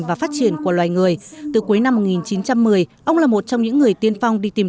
và phát triển của loài người từ cuối năm một nghìn chín trăm một mươi ông là một trong những người tiên phong đi tìm